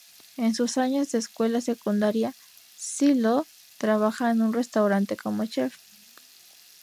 En sus años de escuela secundaria, Cee Lo trabaja en el restaurante como chef.